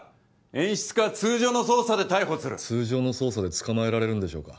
演出家は通常の捜査で逮捕する通常の捜査で捕まえられるんでしょうか？